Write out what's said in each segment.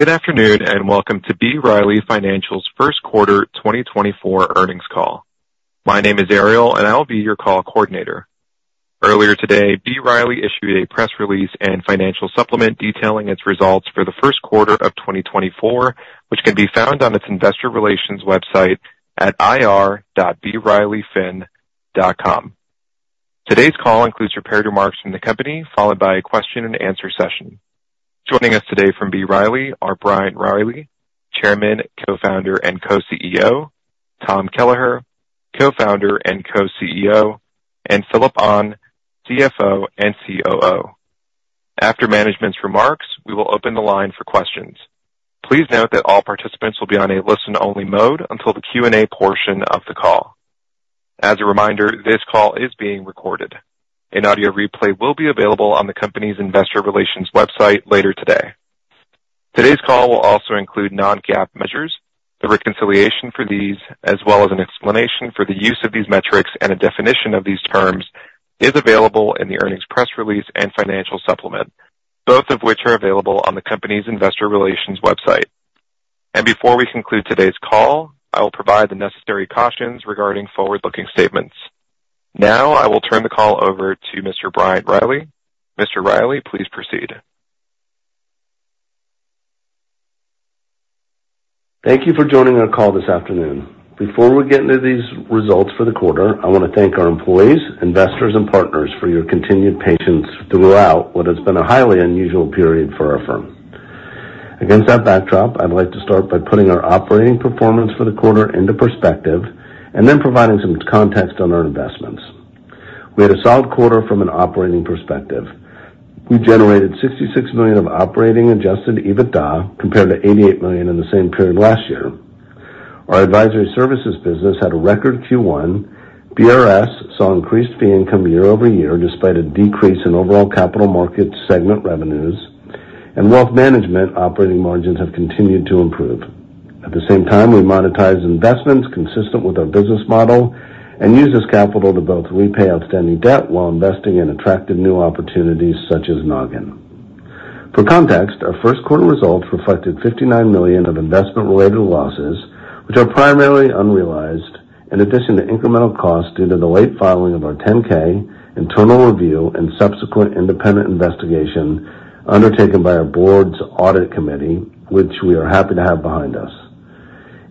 Good afternoon and welcome to B. Riley Financial's first quarter 2024 earnings call. My name is Ariel, and I will be your call coordinator. Earlier today, B. Riley issued a press release and financial supplement detailing its results for the first quarter of 2024, which can be found on its investor relations website at ir.brileyfin.com. Today's call includes prepared remarks from the company, followed by a question-and-answer session. Joining us today from B. Riley are Bryant Riley, Chairman, Co-founder, and Co-CEO; Tom Kelleher, Co-founder and Co-CEO; and Phillip Ahn, CFO and COO. After management's remarks, we will open the line for questions. Please note that all participants will be on a listen-only mode until the Q&A portion of the call. As a reminder, this call is being recorded. An audio replay will be available on the company's investor relations website later today. Today's call will also include non-GAAP measures. The reconciliation for these, as well as an explanation for the use of these metrics and a definition of these terms, is available in the earnings press release and financial supplement, both of which are available on the company's investor relations website. Before we conclude today's call, I will provide the necessary cautions regarding forward-looking statements. Now I will turn the call over to Mr. Bryant Riley. Mr. Riley, please proceed. Thank you for joining our call this afternoon. Before we get into these results for the quarter, I want to thank our employees, investors, and partners for your continued patience throughout what has been a highly unusual period for our firm. Against that backdrop, I'd like to start by putting our operating performance for the quarter into perspective and then providing some context on our investments. We had a solid quarter from an operating perspective. We generated $66 million of operating adjusted EBITDA compared to $88 million in the same period last year. Our advisory services business had a record Q1. BRS saw increased fee income year-over-year despite a decrease in overall capital markets segment revenues, and wealth management operating margins have continued to improve. At the same time, we monetized investments consistent with our business model and used this capital to both repay outstanding debt while investing in attractive new opportunities such as Nogin. For context, our first quarter results reflected $59 million of investment-related losses, which are primarily unrealized in addition to incremental costs due to the late filing of our 10-K, internal review, and subsequent independent investigation undertaken by our board's audit committee, which we are happy to have behind us.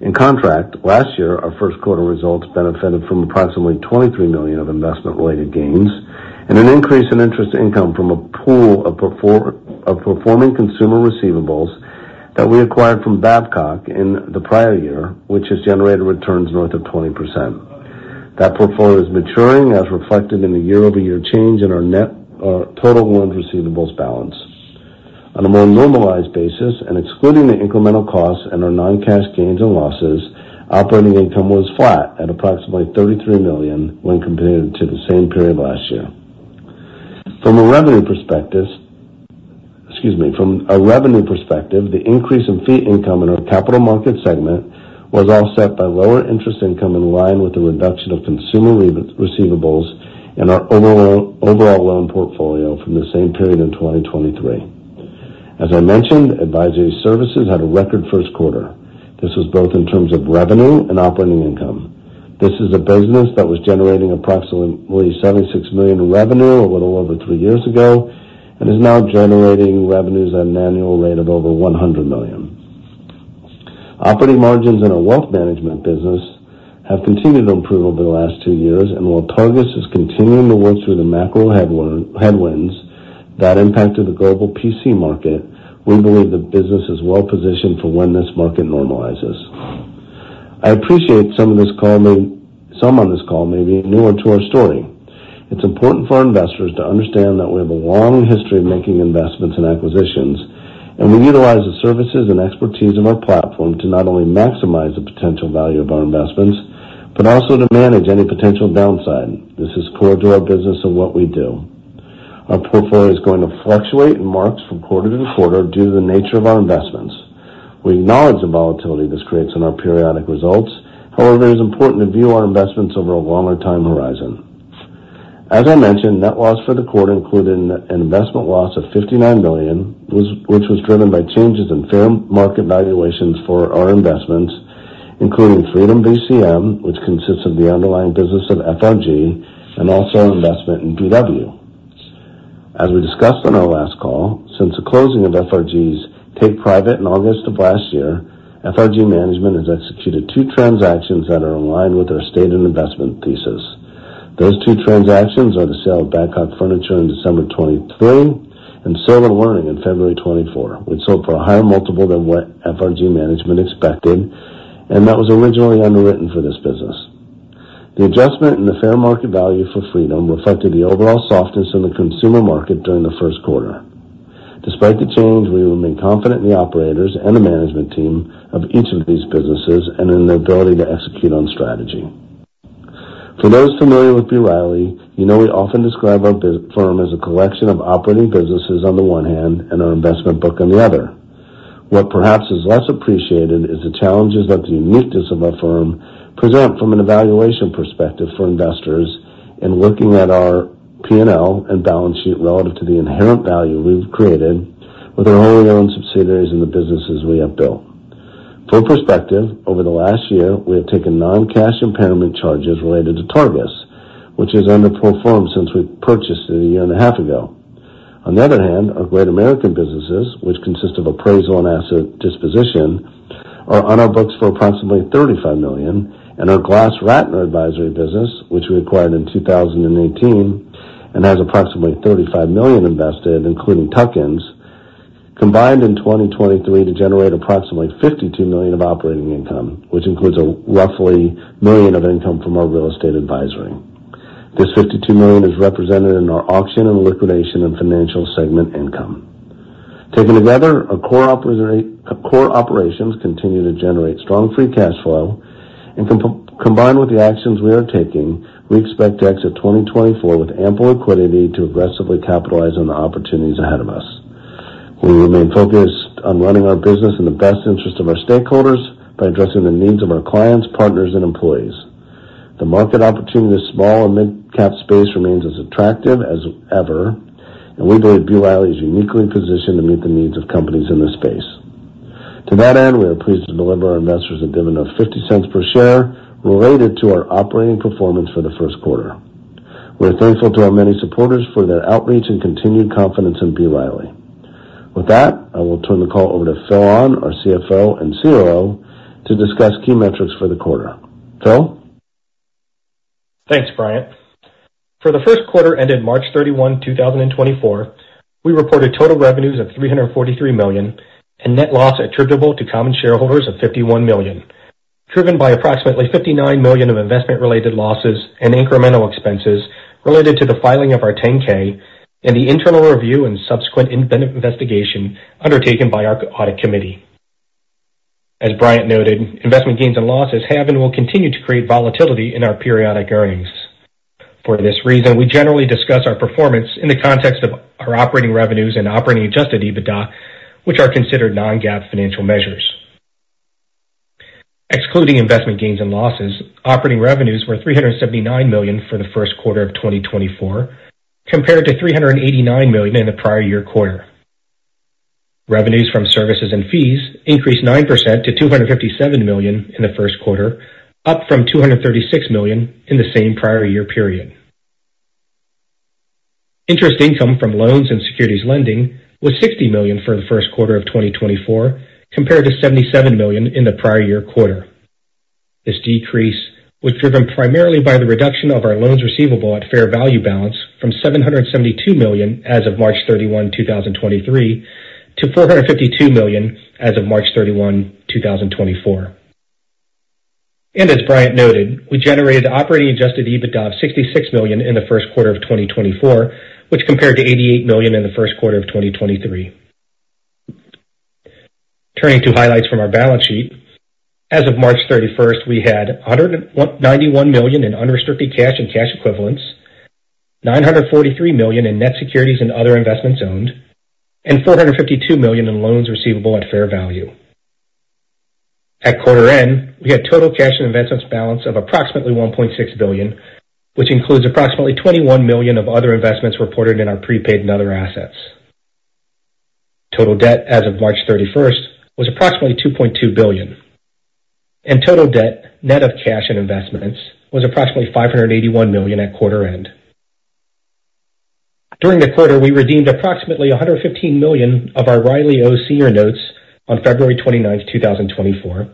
In contrast, last year our first quarter results benefited from approximately $23 million of investment-related gains and an increase in interest income from a pool of performing consumer receivables that we acquired from Badcock in the prior year, which has generated returns north of 20%. That portfolio is maturing as reflected in the year-over-year change in our net or total loan receivables balance. On a more normalized basis, and excluding the incremental costs and our non-cash gains and losses, operating income was flat at approximately $33 million when compared to the same period last year. From a revenue perspective, the increase in fee income in our capital market segment was offset by lower interest income in line with the reduction of consumer receivables in our overall loan portfolio from the same period in 2023. As I mentioned, advisory services had a record first quarter. This was both in terms of revenue and operating income. This is a business that was generating approximately $76 million in revenue a little over three years ago and is now generating revenues at an annual rate of over $100 million. Operating margins in our wealth management business have continued to improve over the last two years, and while Targus is continuing to work through the macro headwinds that impacted the global PC market, we believe the business is well positioned for when this market normalizes. I appreciate some on this call may be newer to our story. It's important for our investors to understand that we have a long history of making investments and acquisitions, and we utilize the services and expertise of our platform to not only maximize the potential value of our investments but also to manage any potential downside. This is core to our business and what we do. Our portfolio is going to fluctuate in marks from quarter to quarter due to the nature of our investments. We acknowledge the volatility this creates in our periodic results. However, it is important to view our investments over a longer time horizon. As I mentioned, net loss for the quarter included an investment loss of $59 million, which was driven by changes in fair market valuations for our investments, including Freedom VCM, which consists of the underlying business of FRG, and also investment in BW. As we discussed on our last call, since the closing of FRG's take-private in August of last year, FRG management has executed two transactions that are in line with our stated investment thesis. Those two transactions are the sale of Badcock furniture in December 2023 and Sylvan Learning in February 2024, which sold for a higher multiple than what FRG management expected and that was originally underwritten for this business. The adjustment in the fair market value for Freedom VCM reflected the overall softness in the consumer market during the first quarter. Despite the change, we remain confident in the operators and the management team of each of these businesses and in their ability to execute on strategy. For those familiar with B. Riley, you know we often describe our firm as a collection of operating businesses on the one hand and our investment book on the other. What perhaps is less appreciated is the challenges that the uniqueness of our firm presents from a valuation perspective for investors in looking at our P&L and balance sheet relative to the inherent value we've created with our wholly owned subsidiaries and the businesses we have built. For perspective, over the last year, we have taken non-cash impairment charges related to Targus, which has underperformed since we purchased it a year and a half ago. On the other hand, our Great American businesses, which consist of appraisal and asset disposition, are on our books for approximately $35 million, and our GlassRatner advisory business, which we acquired in 2018 and has approximately $35 million invested, including tuck-ins, combined in 2023 to generate approximately $52 million of operating income, which includes roughly $1 million of income from our real estate advisory. This $52 million is represented in our auction and liquidation and financial segment income. Taken together, our core operations continue to generate strong free cash flow, and combined with the actions we are taking, we expect to exit 2024 with ample liquidity to aggressively capitalize on the opportunities ahead of us. We remain focused on running our business in the best interest of our stakeholders by addressing the needs of our clients, partners, and employees. The market opportunity in the small and mid-cap space remains as attractive as ever, and we believe B. Riley is uniquely positioned to meet the needs of companies in this space. To that end, we are pleased to deliver our investors a dividend of $0.50 per share related to our operating performance for the first quarter. We are thankful to our many supporters for their outreach and continued confidence in B. Riley. With that, I will turn the call over to Phillip Ahn, our CFO and COO, to discuss key metrics for the quarter. Phil? Thanks, Bryant. For the first quarter ended March 31, 2024, we reported total revenues of $343 million and net loss attributable to common shareholders of $51 million, driven by approximately $59 million of investment-related losses and incremental expenses related to the filing of our 10-K and the internal review and subsequent investigation undertaken by our audit committee. As Bryant noted, investment gains and losses have and will continue to create volatility in our periodic earnings. For this reason, we generally discuss our performance in the context of our operating revenues and operating adjusted EBITDA, which are considered non-GAAP financial measures. Excluding investment gains and losses, operating revenues were $379 million for the first quarter of 2024 compared to $389 million in the prior year quarter. Revenues from services and fees increased 9% to $257 million in the first quarter, up from $236 million in the same prior year period. Interest income from loans and securities lending was $60 million for the first quarter of 2024 compared to $77 million in the prior year quarter. This decrease was driven primarily by the reduction of our loans receivable at fair value balance from $772 million as of March 31, 2023-$452 million as of March 31, 2024. As Bryant noted, we generated operating adjusted EBITDA of $66 million in the first quarter of 2024, which compared to $88 million in the first quarter of 2023. Turning to highlights from our balance sheet, as of March 31st, we had $191 million in unrestricted cash and cash equivalents, $943 million in net securities and other investments owned, and $452 million in loans receivable at fair value. At quarter end, we had total cash and investments balance of approximately $1.6 billion, which includes approximately $21 million of other investments reported in our prepaid and other assets. Total debt as of March 31st was approximately $2.2 billion, and total debt net of cash and investments was approximately $581 million at quarter end. During the quarter, we redeemed approximately $115 million of our B. Riley Senior notes on February 29th, 2024.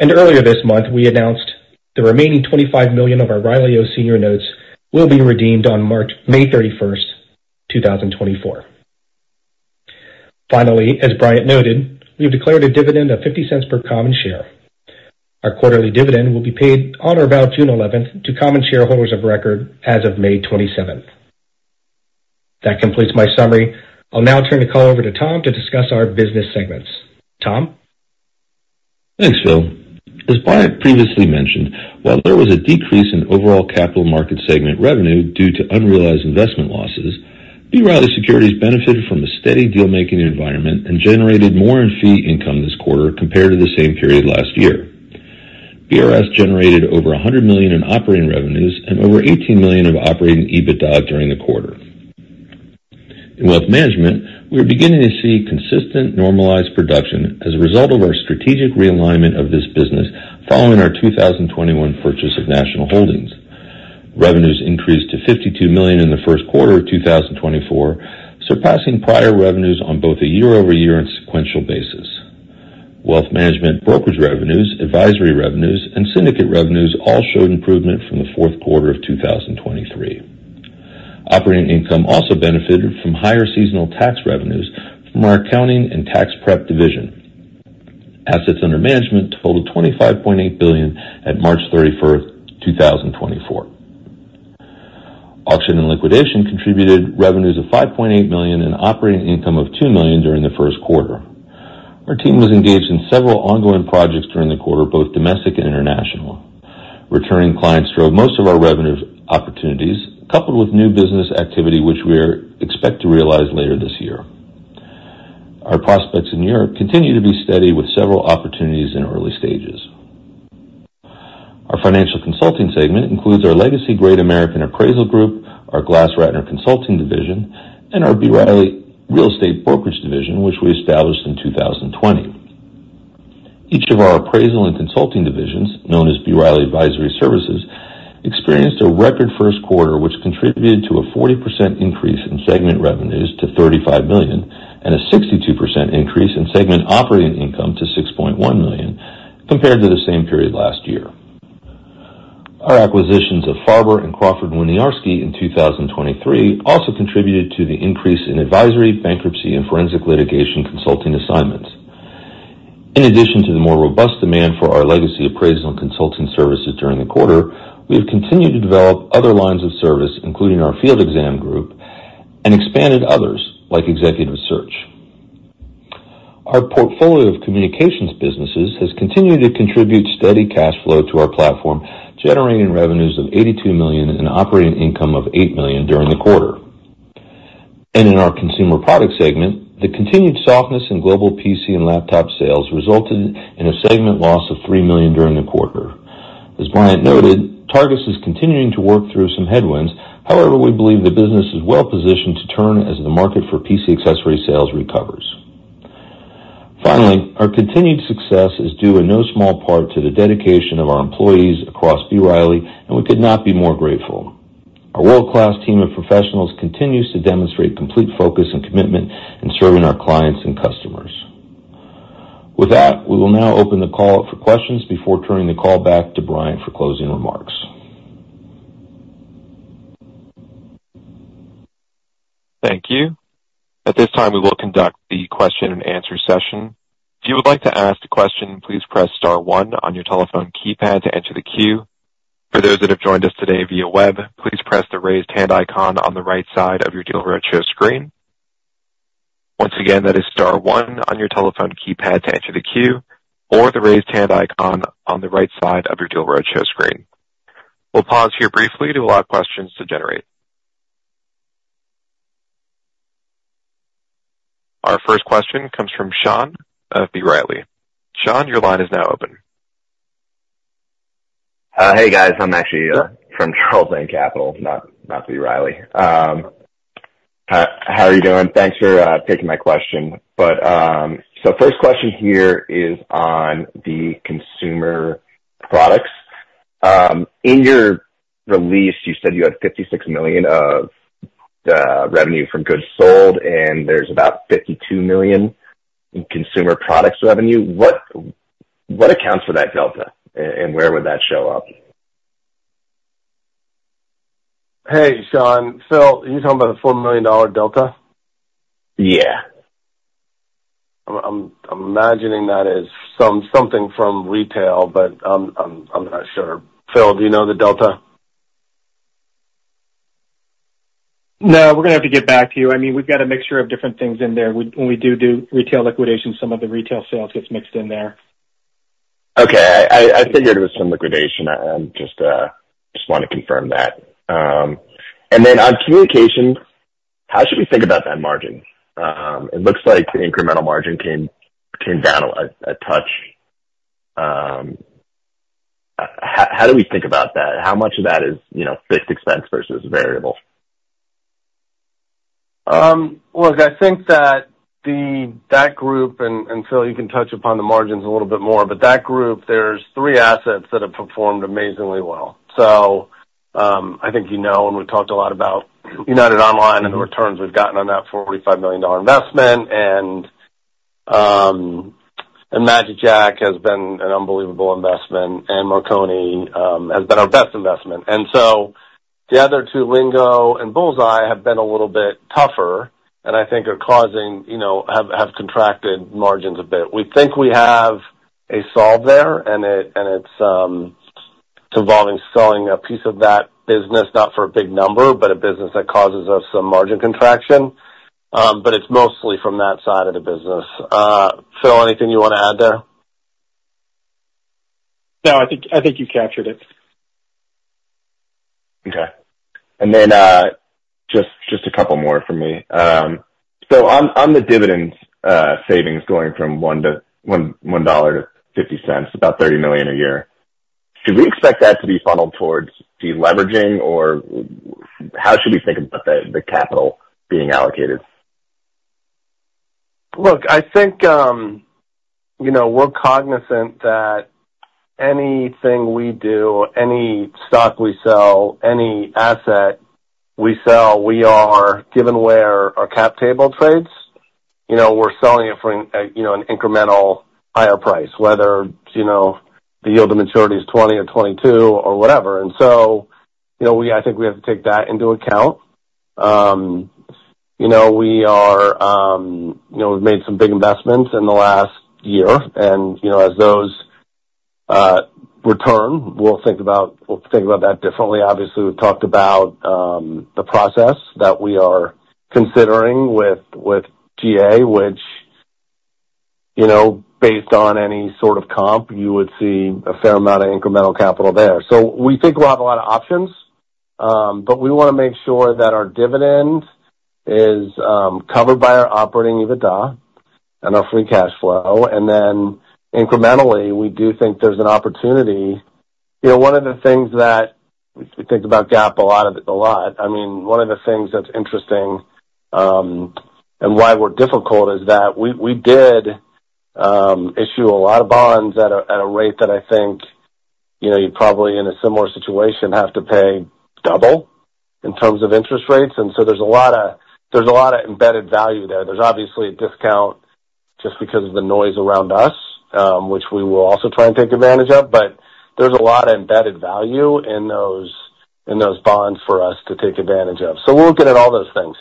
Earlier this month, we announced the remaining $25 million of our B. Riley Senior notes will be redeemed on May 31st, 2024. Finally, as Bryant noted, we have declared a dividend of $0.50 per common share. Our quarterly dividend will be paid on or about June 11th to common shareholders of record as of May 27th. That completes my summary. I'll now turn the call over to Tom to discuss our business segments. Tom? Thanks, Phil. As Brian previously mentioned, while there was a decrease in overall capital market segment revenue due to unrealized investment losses, B. Riley Securities benefited from a steady dealmaking environment and generated more in fee income this quarter compared to the same period last year. BRS generated over $100 million in operating revenues and over $18 million of operating EBITDA during the quarter. In wealth management, we are beginning to see consistent normalized production as a result of our strategic realignment of this business following our 2021 purchase of National Holdings. Revenues increased to $52 million in the first quarter of 2024, surpassing prior revenues on both a year-over-year and sequential basis. Wealth management brokerage revenues, advisory revenues, and syndicate revenues all showed improvement from the fourth quarter of 2023. Operating income also benefited from higher seasonal tax revenues from our accounting and tax prep division. Assets under management totaled $25.8 billion at March 31st, 2024. Auction and liquidation contributed revenues of $5.8 million and operating income of $2 million during the first quarter. Our team was engaged in several ongoing projects during the quarter, both domestic and international. Returning clients drove most of our revenue opportunities, coupled with new business activity, which we expect to realize later this year. Our prospects in Europe continue to be steady with several opportunities in early stages. Our financial consulting segment includes our legacy Great American Group appraisal group, our GlassRatner consulting division, and our B. Riley real estate brokerage division, which we established in 2020. Each of our appraisal and consulting divisions, known as B. Riley advisory services experienced a record first quarter, which contributed to a 40% increase in segment revenues to $35 million and a 62% increase in segment operating income to $6.1 million compared to the same period last year. Our acquisitions of Farber and Crawford Winiarski in 2023 also contributed to the increase in advisory bankruptcy and forensic litigation consulting assignments. In addition to the more robust demand for our legacy appraisal and consulting services during the quarter, we have continued to develop other lines of service, including our field exam group, and expanded others like executive search. Our portfolio of communications businesses has continued to contribute steady cash flow to our platform, generating revenues of $82 million and operating income of $8 million during the quarter. In our consumer product segment, the continued softness in global PC and laptop sales resulted in a segment loss of $3 million during the quarter. As Bryant noted, Targus is continuing to work through some headwinds. However, we believe the business is well positioned to turn as the market for PC accessory sales recovers. Finally, our continued success is due in no small part to the dedication of our employees across B. Riley, and we could not be more grateful. Our world-class team of professionals continues to demonstrate complete focus and commitment in serving our clients and customers. With that, we will now open the call for questions before turning the call back to Bryant for closing remarks. Thank you. At this time, we will conduct the question and answer session. If you would like to ask a question, please press star one on your telephone keypad to enter the queue. For those that have joined us today via web, please press the raised hand icon on the right side of your Deal Roadshow screen. Once again, that is star one on your telephone keypad to enter the queue or the raised hand icon on the right side of your Deal Roadshow screen. We'll pause here briefly to allow questions to generate. Our first question comes from Sean of B. Riley. Sean, your line is now open. Hey, guys. I'm actually from Charles Schwab, not B. Riley. How are you doing? Thanks for taking my question. So first question here is on the consumer products. In your release, you said you had $56 million of revenue from goods sold, and there's about $52 million in consumer products revenue. What accounts for that delta, and where would that show up? Hey, Sean. Phil, are you talking about a $4 million delta? Yeah. I'm imagining that is something from retail, but I'm not sure. Phil, do you know the delta? No, we're going to have to get back to you. I mean, we've got a mixture of different things in there. When we do do retail liquidation, some of the retail sales gets mixed in there. Okay. I figured it was some liquidation. I just want to confirm that. And then on communications, how should we think about that margin? It looks like the incremental margin came down a touch. How do we think about that? How much of that is fixed expense versus variable? Look, I think that that group and Phil, you can touch upon the margins a little bit more, but that group, there's three assets that have performed amazingly well. So I think you know, and we've talked a lot about United Online and the returns we've gotten on that $45 million investment. And magicJack has been an unbelievable investment, and Marconi has been our best investment. And so the other two, Lingo and Bullseye, have been a little bit tougher and I think are causing have contracted margins a bit. We think we have a solve there, and it's involving selling a piece of that business, not for a big number, but a business that causes us some margin contraction. But it's mostly from that side of the business. Phil, anything you want to add there? No, I think you captured it. Okay. And then just a couple more from me. So on the dividend savings going from $1-$0.50, about $30 million a year, should we expect that to be funneled towards deleveraging, or how should we think about the capital being allocated? Look, I think we're cognizant that anything we do, any stock we sell, any asset we sell, we are given where our cap table trades, we're selling it for an incremental higher price, whether the yield of maturity is 20 or 22 or whatever. And so I think we have to take that into account. We've made some big investments in the last year, and as those return, we'll think about that differently. Obviously, we've talked about the process that we are considering with GA, which based on any sort of comp, you would see a fair amount of incremental capital there. So we think we'll have a lot of options, but we want to make sure that our dividend is covered by our Operating EBITDA and our free cash flow. And then incrementally, we do think there's an opportunity. One of the things that we think about GAAP a lot. I mean, one of the things that's interesting and why we're difficult is that we did issue a lot of bonds at a rate that I think you'd probably in a similar situation have to pay double in terms of interest rates. And so there's a lot of embedded value there. There's obviously a discount just because of the noise around us, which we will also try and take advantage of. But there's a lot of embedded value in those bonds for us to take advantage of. So we'll look at all those things.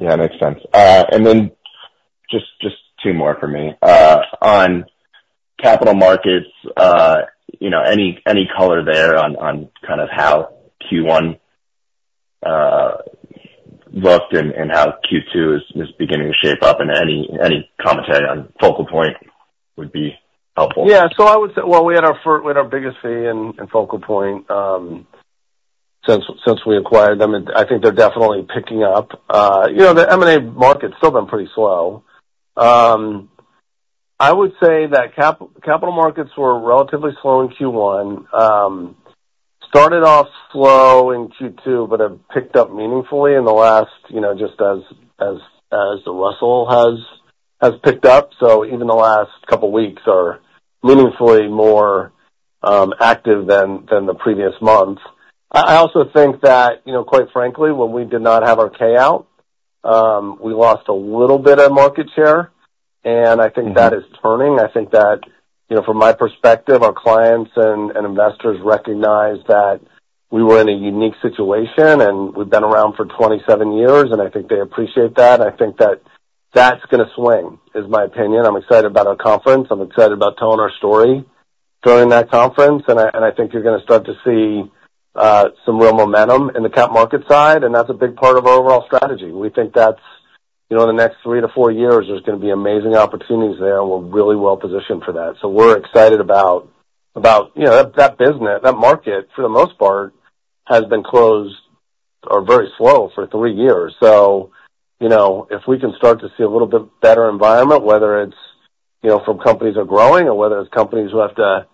Yeah, makes sense. And then just two more for me. On capital markets, any color there on kind of how Q1 looked and how Q2 is beginning to shape up, and any commentary on FocalPoint would be helpful? Yeah. So I would say, well, we had our biggest fee in FocalPoint since we acquired them. I think they're definitely picking up. The M&A market's still been pretty slow. I would say that capital markets were relatively slow in Q1. Started off slow in Q2, but have picked up meaningfully in the last just as the Russell has picked up. So even the last couple of weeks are meaningfully more active than the previous month. I also think that, quite frankly, when we did not have our payout, we lost a little bit of market share. And I think that is turning. I think that, from my perspective, our clients and investors recognize that we were in a unique situation, and we've been around for 27 years, and I think they appreciate that. I think that that's going to swing is my opinion. I'm excited about our conference. I'm excited about telling our story during that conference. I think you're going to start to see some real momentum in the capital markets side. That's a big part of our overall strategy. We think that in the next three years -four years, there's going to be amazing opportunities there, and we're really well positioned for that. We're excited about that business. That market, for the most part, has been closed or very slow for three years. If we can start to see a little bit better environment, whether it's from companies that are growing or whether it's companies who have to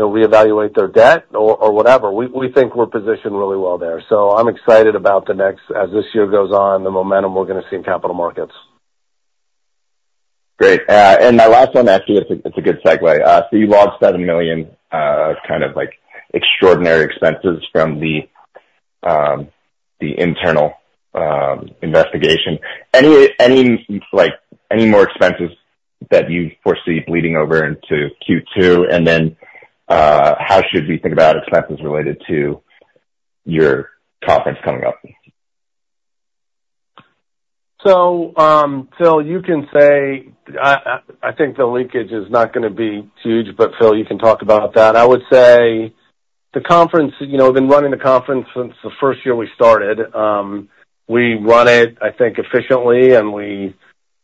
reevaluate their debt or whatever, we think we're positioned really well there. I'm excited about the next, as this year goes on, the momentum we're going to see in capital markets. Great. And my last one, actually, it's a good segue. So you logged $7 million of kind of extraordinary expenses from the internal investigation. Any more expenses that you foresee bleeding over into Q2, and then how should we think about expenses related to your conference coming up? So, Phil, you can say I think the leakage is not going to be huge, but Phil, you can talk about that. I would say the conference, we've been running the conference since the first year we started. We run it, I think, efficiently, and we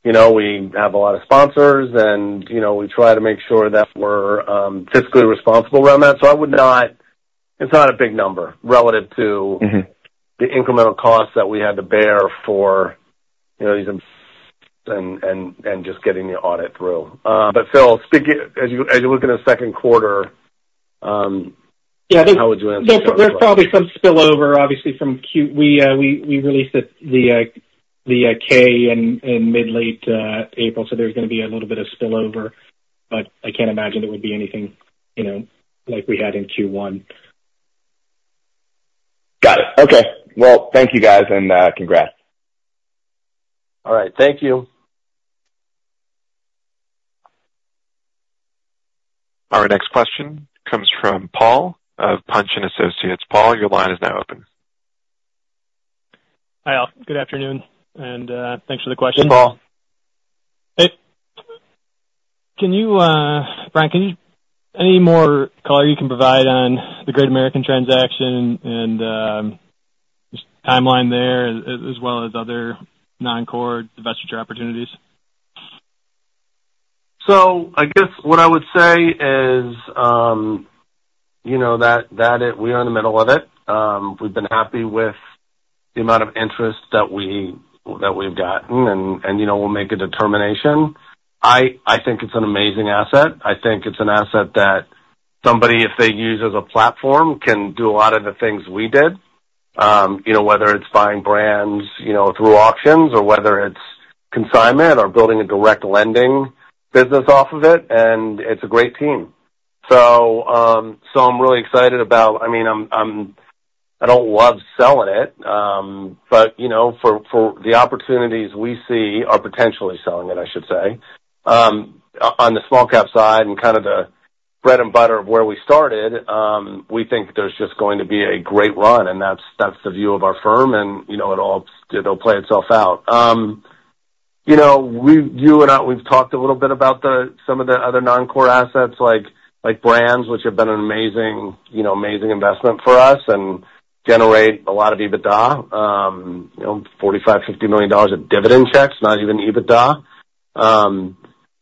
have a lot of sponsors, and we try to make sure that we're fiscally responsible around that. So it's not a big number relative to the incremental costs that we had to bear for these and just getting the audit through. But Phil, as you look at the second quarter, how would you answer that? Yeah, I think there's probably some spillover, obviously, from Q1 we released the 10-K in mid-late April, so there's going to be a little bit of spillover. But I can't imagine it would be anything like we had in Q1. Got it. Okay. Well, thank you, guys, and congrats. All right. Thank you. Our next question comes from Paul of Punch and Associates. Paul, your line is now open. Hi, all. Good afternoon. And thanks for the question. Hey, Paul. Hey. Bryant, any more color you can provide on the Great American transaction and just timeline there as well as other non-core investment opportunities? So I guess what I would say is that we are in the middle of it. We've been happy with the amount of interest that we've gotten, and we'll make a determination. I think it's an amazing asset. I think it's an asset that somebody, if they use as a platform, can do a lot of the things we did, whether it's buying brands through auctions or whether it's consignment or building a direct lending business off of it. And it's a great team. So I'm really excited about I mean, I don't love selling it, but for the opportunities we see, are potentially selling it, I should say. On the small-cap side and kind of the bread and butter of where we started, we think there's just going to be a great run, and that's the view of our firm, and it'll play itself out. You and I, we've talked a little bit about some of the other non-core assets like brands, which have been an amazing investment for us and generate a lot of EBITDA, $45 million-$50 million of dividend checks, not even EBITDA.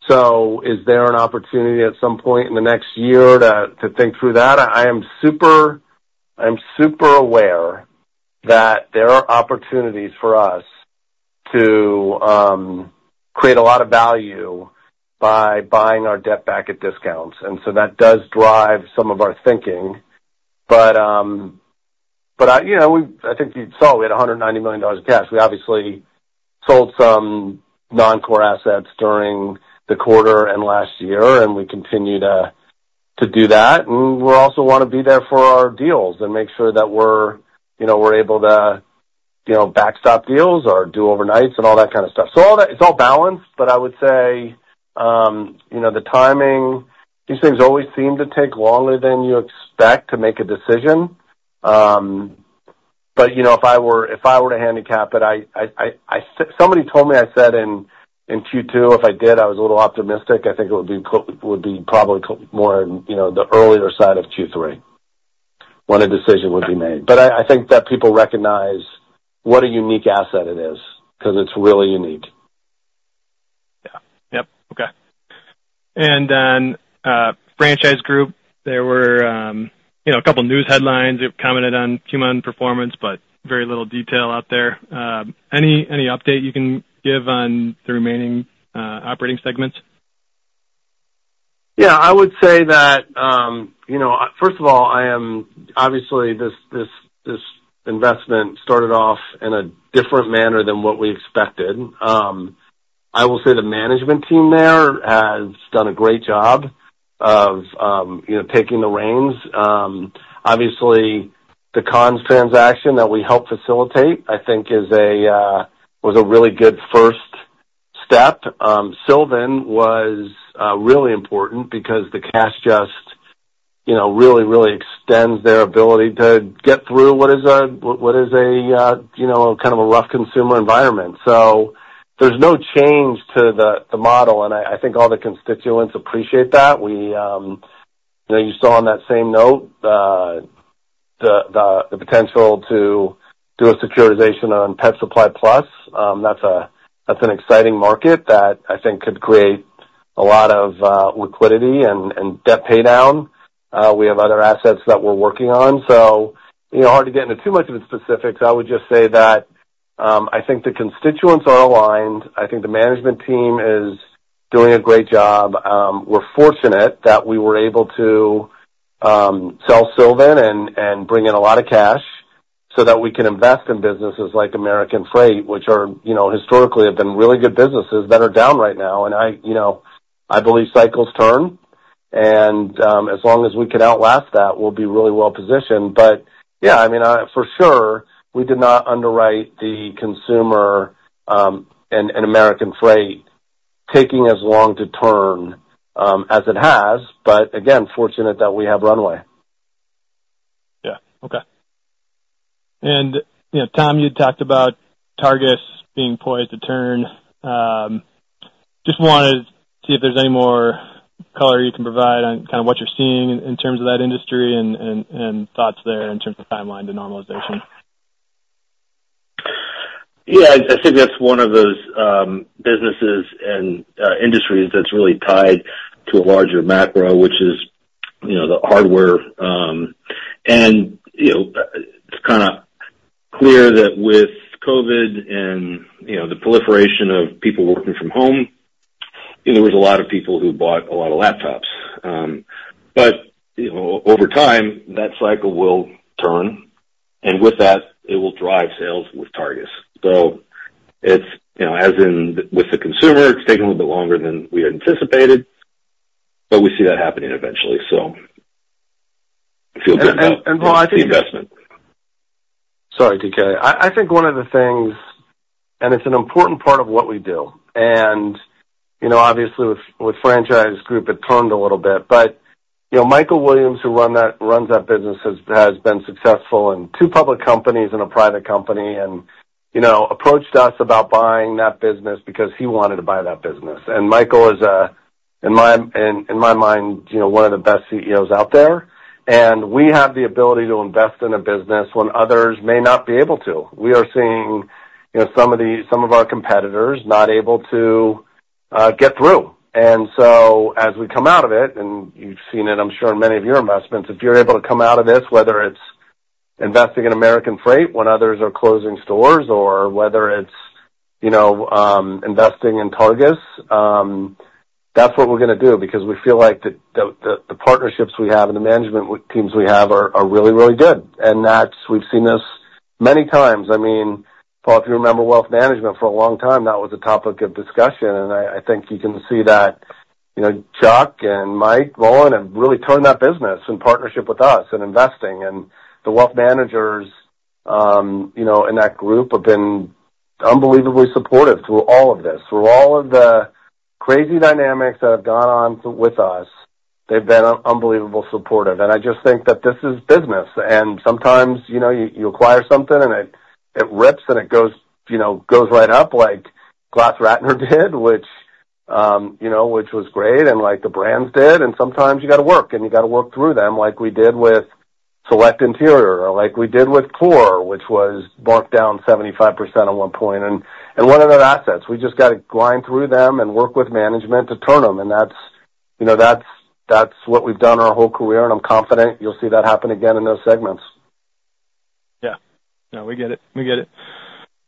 So is there an opportunity at some point in the next year to think through that? I am super aware that there are opportunities for us to create a lot of value by buying our debt back at discounts. And so that does drive some of our thinking. But I think you saw we had $190 million of cash. We obviously sold some non-core assets during the quarter and last year, and we continue to do that. And we also want to be there for our deals and make sure that we're able to backstop deals or do overnights and all that kind of stuff. So it's all balanced, but I would say the timing, these things always seem to take longer than you expect to make a decision. But if I were to handicap it, somebody told me I said in Q2, if I did, I was a little optimistic. I think it would be probably more in the earlier side of Q3 when a decision would be made. But I think that people recognize what a unique asset it is because it's really unique. Yeah. Yep. Okay. And then Franchise Group, there were a couple of news headlines that commented on Q1 performance, but very little detail out there. Any update you can give on the remaining operating segments? Yeah. I would say that, first of all, obviously, this investment started off in a different manner than what we expected. I will say the management team there has done a great job of taking the reins. Obviously, the FRG transaction that we helped facilitate, I think, was a really good first step. Sylvan was really important because the cash just really, really extends their ability to get through what is a kind of a rough consumer environment. So there's no change to the model, and I think all the constituents appreciate that. You saw on that same note the potential to do a securitization on Pet Supplies Plus. That's an exciting market that I think could create a lot of liquidity and debt paydown. We have other assets that we're working on. So hard to get into too much of the specifics. I would just say that I think the constituents are aligned. I think the management team is doing a great job. We're fortunate that we were able to sell Sylvan and bring in a lot of cash so that we can invest in businesses like American Freight, which historically have been really good businesses that are down right now. And I believe cycles turn, and as long as we can outlast that, we'll be really well positioned. But yeah, I mean, for sure, we did not underwrite the consumer and American Freight taking as long to turn as it has. But again, fortunate that we have runway. Yeah. Okay. And Tom, you'd talked about Targus being poised to turn. Just wanted to see if there's any more color you can provide on kind of what you're seeing in terms of that industry and thoughts there in terms of timeline to normalization? Yeah. I think that's one of those businesses and industries that's really tied to a larger macro, which is the hardware. And it's kind of clear that with COVID and the proliferation of people working from home, there was a lot of people who bought a lot of laptops. But over time, that cycle will turn, and with that, it will drive sales with Targus. So as in with the consumer, it's taken a little bit longer than we had anticipated, but we see that happening eventually. So I feel good about the investment. Paul, I think. Sorry, TK. I think one of the things, and it's an important part of what we do. And obviously, with Franchise Group, it turned a little bit. But Michael Williams, who runs that business, has been successful in two public companies and a private company and approached us about buying that business because he wanted to buy that business. And Michael is, in my mind, one of the best CEOs out there. And we have the ability to invest in a business when others may not be able to. We are seeing some of our competitors not able to get through. So as we come out of it, and you've seen it, I'm sure, in many of your investments, if you're able to come out of this, whether it's investing in American Freight when others are closing stores or whether it's investing in Targus, that's what we're going to do because we feel like the partnerships we have and the management teams we have are really, really good. We've seen this many times. I mean, Paul, if you remember wealth management, for a long time, that was a topic of discussion. I think you can see that Chuck and Mike Mullen have really turned that business in partnership with us and investing. The wealth managers in that group have been unbelievably supportive through all of this. Through all of the crazy dynamics that have gone on with us, they've been unbelievably supportive. I just think that this is business. Sometimes you acquire something, and it rips, and it goes right up like GlassRatner did, which was great and like the brands did. Sometimes you got to work, and you got to work through them like we did with Select Interior or like we did with Core, which was marked down 75% at one point. One of those assets, we just got to grind through them and work with management to turn them. That's what we've done our whole career, and I'm confident you'll see that happen again in those segments. Yeah. No, we get it. We get it.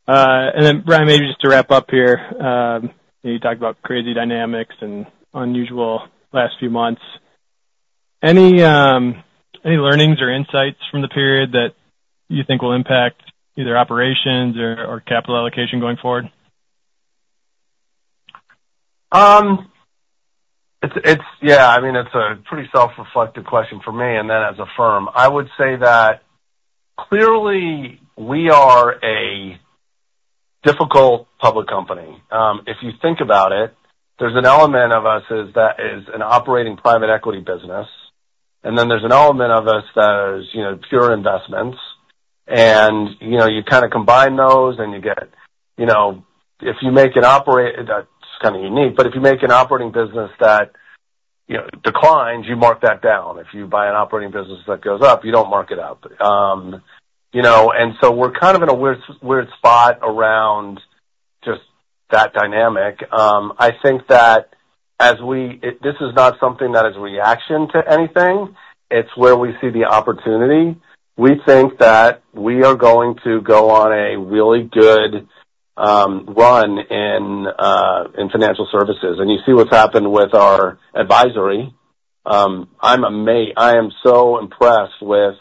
And then, Bryant, maybe just to wrap up here, you talked about crazy dynamics and unusual last few months. Any learnings or insights from the period that you think will impact either operations or capital allocation going forward? Yeah. I mean, it's a pretty self-reflective question for me and then as a firm. I would say that clearly, we are a difficult public company. If you think about it, there's an element of us that is an operating private equity business, and then there's an element of us that is pure investments. And you kind of combine those, and you get if you make an operating that's kind of unique, but if you make an operating business that declines, you mark that down. If you buy an operating business that goes up, you don't mark it up. And so we're kind of in a weird spot around just that dynamic. I think that as we this is not something that is a reaction to anything. It's where we see the opportunity. We think that we are going to go on a really good run in financial services. You see what's happened with our advisory. I am so impressed with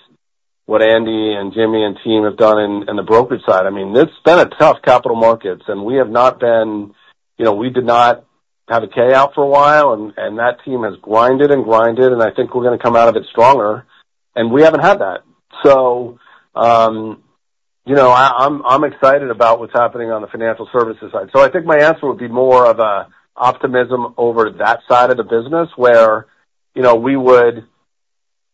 what Andy and Jimmy and team have done in the brokerage side. I mean, it's been a tough capital markets, and we did not have a deal out for a while, and that team has grinded and grinded, and I think we're going to come out of it stronger. And we haven't had that. So I'm excited about what's happening on the financial services side. So I think my answer would be more of optimism over that side of the business where we would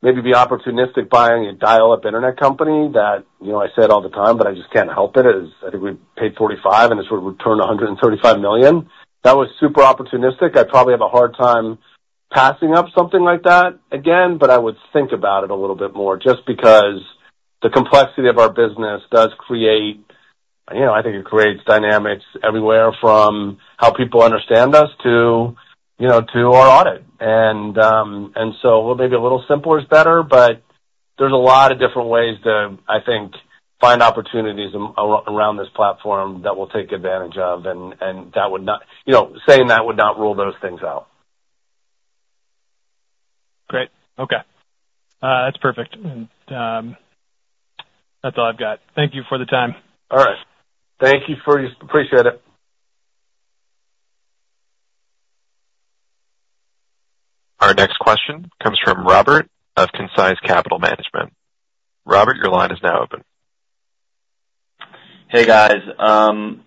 maybe be opportunistic buying a dial-up internet company that I said all the time, but I just can't help it. I think we paid $45 million, and it sort of returned $135 million. That was super opportunistic. I'd probably have a hard time passing up something like that again, but I would think about it a little bit more just because the complexity of our business does create, I think it creates, dynamics everywhere from how people understand us to our audit. And so maybe a little simpler is better, but there's a lot of different ways to, I think, find opportunities around this platform that we'll take advantage of. And that would not, saying that would not rule those things out. Great. Okay. That's perfect. And that's all I've got. Thank you for the time. All right. Thank you. We appreciate it. Our next question comes from Robert of Concise Capital Management. Robert, your line is now open. Hey, guys. On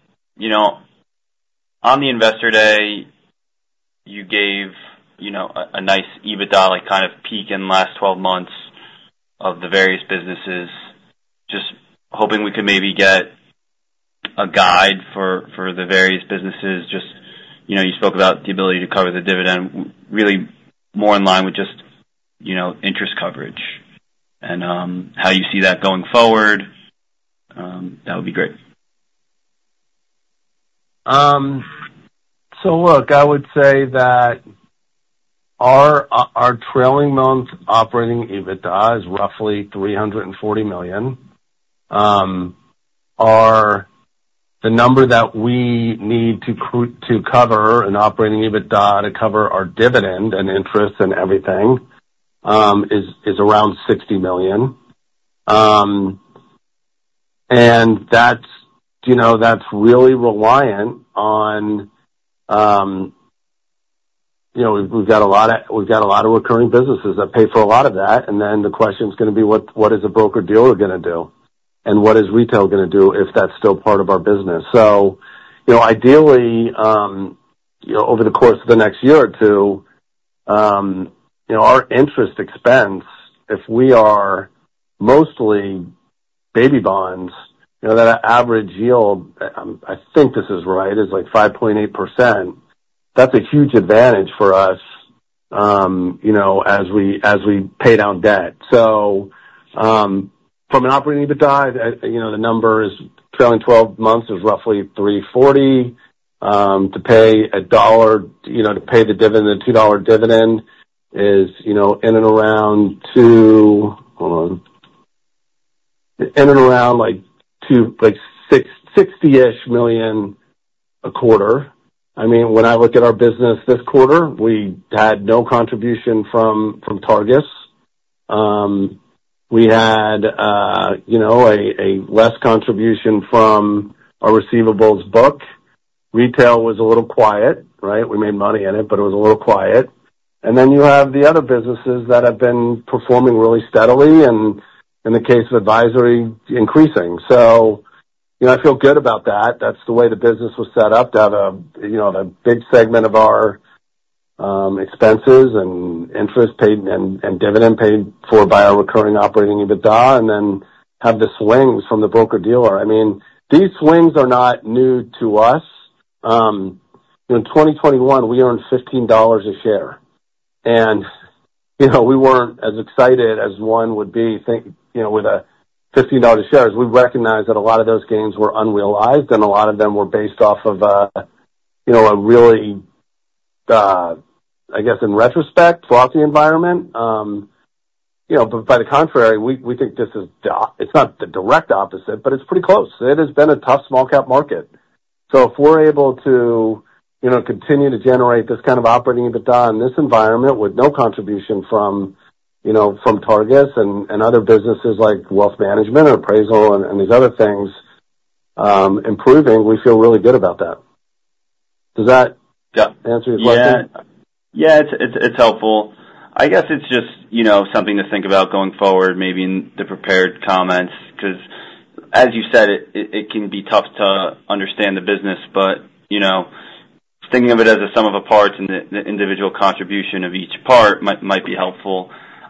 the investor day, you gave a nice EBITDA kind of peak in the last 12 months of the various businesses, just hoping we could maybe get a guide for the various businesses. You spoke about the ability to cover the dividend, really more in line with just interest coverage and how you see that going forward. That would be great. So look, I would say that our trailing month operating EBITDA is roughly $340 million. The number that we need to cover in operating EBITDA to cover our dividend and interest and everything is around $60 million. And that's really reliant on we've got a lot of we've got a lot of recurring businesses that pay for a lot of that. And then the question's going to be, what is a broker dealer going to do? And what is retail going to do if that's still part of our business? So ideally, over the course of the next year or two, our interest expense, if we are mostly baby bonds, that average yield, I think this is right, is like 5.8%. That's a huge advantage for us as we pay down debt. So from an operating EBITDA, the number is trailing 12 months is roughly $340 million. To pay $1 to pay the dividend, the $2 dividend, is in and around like 60-ish million a quarter. I mean, when I look at our business this quarter, we had no contribution from Targus. We had a less contribution from our receivables book. Retail was a little quiet, right? We made money in it, but it was a little quiet. And then you have the other businesses that have been performing really steadily and, in the case of advisory, increasing. So I feel good about that. That's the way the business was set up, to have a big segment of our expenses and interest paid and dividend paid for by our recurring operating EBITDA and then have the swings from the broker dealer. I mean, these swings are not new to us. In 2021, we earned $15 a share. We weren't as excited as one would be with a $15 a share. We recognize that a lot of those gains were unrealized, and a lot of them were based off of a really, I guess, in retrospect, fluffy environment. But on the contrary, we think this is, it's not the direct opposite, but it's pretty close. It has been a tough small-cap market. So if we're able to continue to generate this kind of operating EBITDA in this environment with no contribution from Targus and other businesses like wealth management or appraisal and these other things improving, we feel really good about that. Does that answer your question? Yeah. Yeah. It's helpful. I guess it's just something to think about going forward, maybe in the prepared comments because, as you said, it can be tough to understand the business. But thinking of it as a sum of the parts and the individual contribution of each part might be helpful.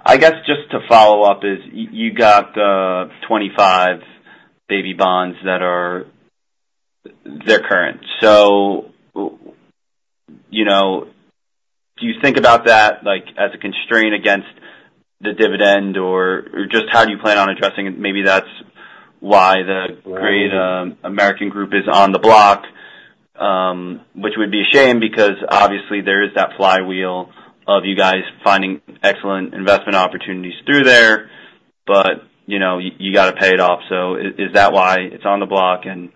I guess just to follow up is you got 25 Baby Bonds that are they're current. So do you think about that as a constraint against the dividend, or just how do you plan on addressing it? Maybe that's why the Great American Group is on the block, which would be a shame because, obviously, there is that flywheel of you guys finding excellent investment opportunities through there, but you got to pay it off. So is that why it's on the block? And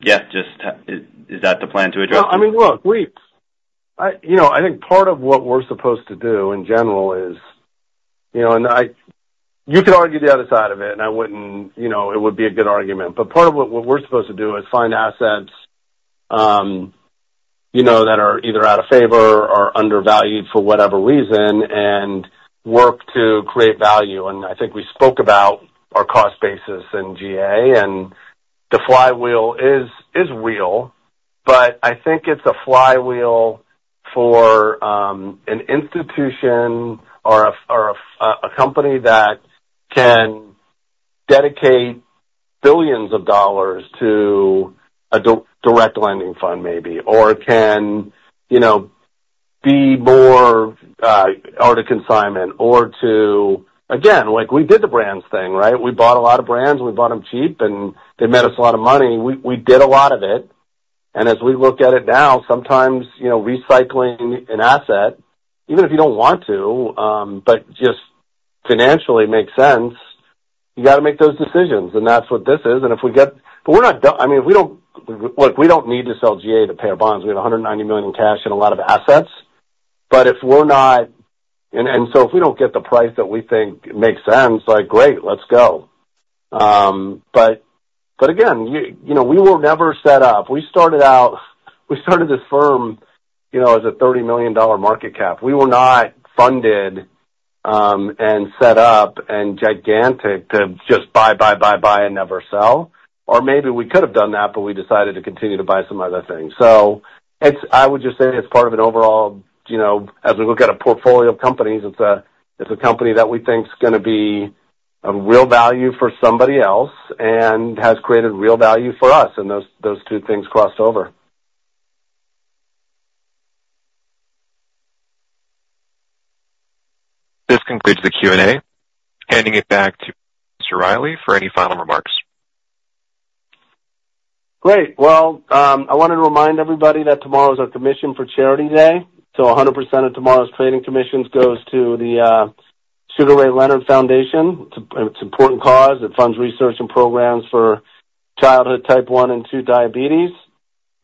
yeah, just is that the plan to address it? Well, I mean, look, I think part of what we're supposed to do in general is, and you could argue the other side of it, and I wouldn't, it would be a good argument. But part of what we're supposed to do is find assets that are either out of favor or undervalued for whatever reason and work to create value. And I think we spoke about our cost basis in GA. And the flywheel is real, but I think it's a flywheel for an institution or a company that can dedicate billions of dollars to a direct lending fund maybe or can be more or to consignment or to again, we did the brands thing, right? We bought a lot of brands. We bought them cheap, and they made us a lot of money. We did a lot of it. As we look at it now, sometimes recycling an asset, even if you don't want to, but just financially makes sense, you got to make those decisions. And that's what this is. And if we get but we're not done I mean, look, we don't need to sell GA to pay our bonds. We have $190 million in cash and a lot of assets. But if we're not and so if we don't get the price that we think makes sense, great, let's go. But again, we were never set up. We started out we started this firm as a $30 million market cap. We were not funded and set up and gigantic to just buy, buy, buy, buy, and never sell. Or maybe we could have done that, but we decided to continue to buy some other things. So I would just say it's part of an overall as we look at a portfolio of companies. It's a company that we think's going to be of real value for somebody else and has created real value for us. Those two things crossed over. This concludes the Q&A. Handing it back to Mr. Riley for any final remarks. Great. Well, I wanted to remind everybody that tomorrow's our Commissions for Charity Day. So 100% of tomorrow's trading commissions goes to the Sugar Ray Leonard Foundation. It's an important cause. It funds research and programs for childhood type one and two diabetes.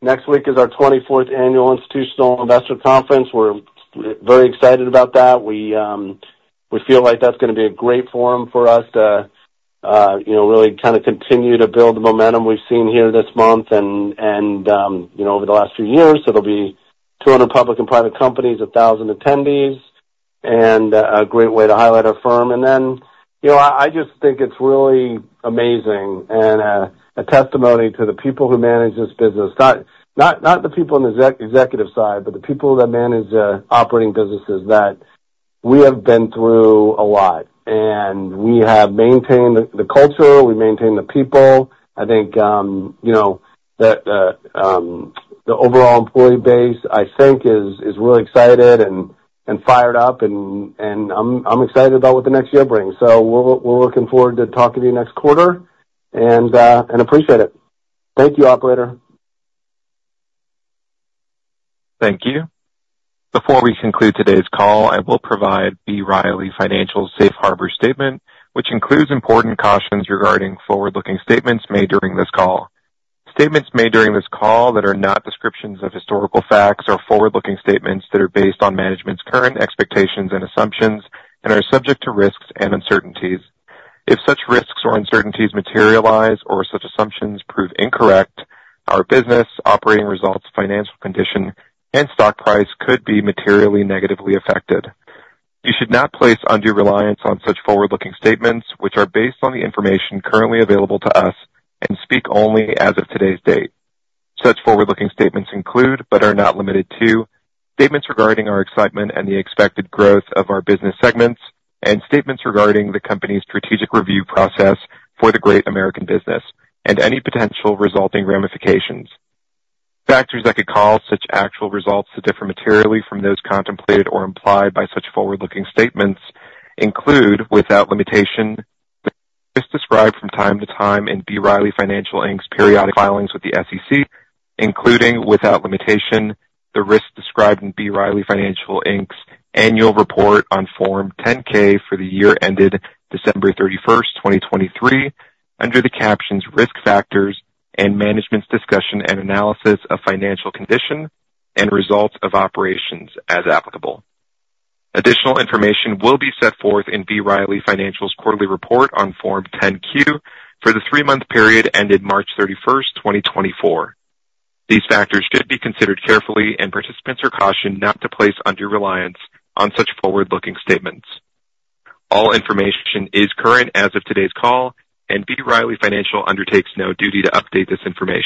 Next week is our 24th annual institutional investor conference. We're very excited about that. We feel like that's going to be a great forum for us to really kind of continue to build the momentum we've seen here this month and over the last few years. So there'll be 200 public and private companies, 1,000 attendees, and a great way to highlight our firm. And then I just think it's really amazing and a testimony to the people who manage this business. Not the people on the executive side, but the people that manage operating businesses that we have been through a lot. We have maintained the culture. We maintain the people. I think that the overall employee base, I think, is really excited and fired up. I'm excited about what the next year brings. We're looking forward to talking to you next quarter and appreciate it. Thank you, operator. Thank you. Before we conclude today's call, I will provide B. Riley Financial's Safe Harbor Statement, which includes important cautions regarding forward-looking statements made during this call. Statements made during this call that are not descriptions of historical facts are forward-looking statements that are based on management's current expectations and assumptions and are subject to risks and uncertainties. If such risks or uncertainties materialize or such assumptions prove incorrect, our business, operating results, financial condition, and stock price could be materially negatively affected. You should not place undue reliance on such forward-looking statements, which are based on the information currently available to us, and speak only as of today's date. Such forward-looking statements include but are not limited to statements regarding our excitement and the expected growth of our business segments and statements regarding the company's strategic review process for the Great American business and any potential resulting ramifications. Factors that could cause such actual results to differ materially from those contemplated or implied by such forward-looking statements include, without limitation, the risks described from time to time in B. Riley Financial Inc.'s periodic filings with the SEC, including, without limitation, the risks described in B. Riley Financial Inc.'s annual report on Form 10-K for the year ended December 31st, 2023, under the captions "Risk Factors" and "Management's Discussion and Analysis of Financial Condition and Results of Operations as Applicable." Additional information will be set forth in B. Riley Financial's quarterly report on Form 10-Q for the three-month period ended March 31st, 2024. These factors should be considered carefully, and participants are cautioned not to place undue reliance on such forward-looking statements. All information is current as of today's call, and B. Riley Financial undertakes no duty to update this information.